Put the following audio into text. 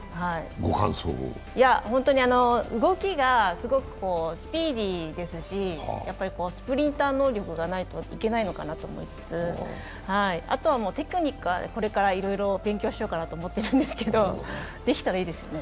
動きがすごくスピーディーですしスプリンター能力がないといけないのかなと思いつつあとはテクニックはこれからいろいろ勉強しようかなと思いますけどできたらいいですよね？